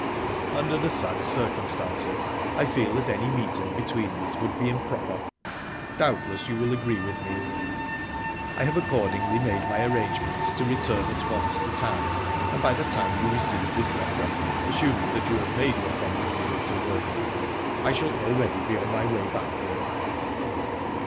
"Under the sad circumstances, I feel that any meeting between us would be improper doubtless you will agree with me. I have accordingly made my arrangements to return at once to town, and by the time you receive this letter assuming that you have made your promised visit to Worthing I shall be already on my way back there.